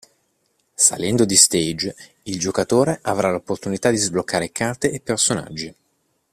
Salendo di “stage” il giocatore avrà l’opportunità di sbloccare carte e personaggi.